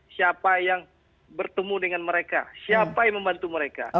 siapa yang bertemu dengan mereka siapa yang membantu mereka